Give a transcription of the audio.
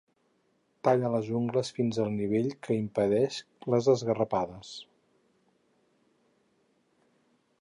Talla les ungles fins al nivell que impedeix les esgarrapades.